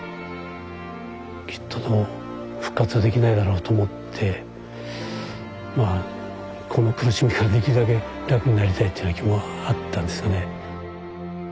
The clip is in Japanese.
きっとでも復活はできないだろうと思ってこの苦しみからできるだけ楽になりたいっていうような気もあったんですがね。